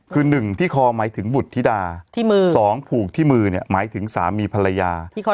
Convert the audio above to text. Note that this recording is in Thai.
คือ๑ที่คอหมายถึงบุตรธิดา๒ผูกที่มือเนี่ยหมายถึงสามีภรรยา